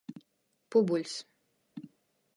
Pubuļs.